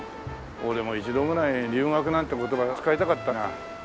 俺も一度ぐらい留学なんて言葉使いたかったな。